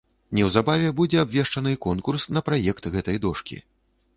Неўзабаве будзе абвешчаны конкурс на праект гэтай дошкі.